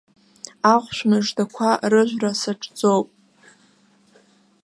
Ахәшә мыждақәа рыжәра саҿӡоуп.